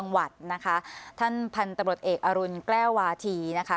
วัดนะคะท่านพันธุ์ตำรวจเอกอรุณแก้ววาธีนะคะ